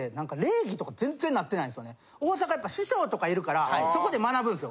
大阪やっぱ師匠とかいるからそこで学ぶんすよ。